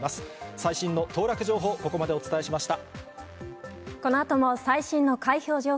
最新の当落情報、ここまでお伝えしました。